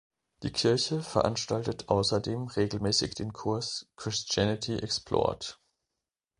Die Kirche veranstaltet außerdem regelmäßig den Kurs Christianity Explored.